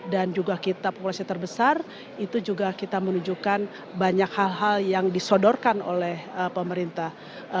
dan juga kita populasi terbesar itu juga kita menunjukkan banyak hal hal yang disodorkan oleh pemerintah